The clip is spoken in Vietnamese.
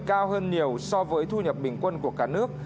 cao hơn nhiều so với thu nhập bình quân của cả nước